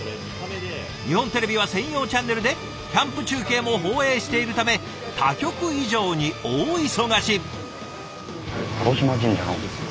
日本テレビは専用チャンネルでキャンプ中継も放映しているため他局以上に大忙し。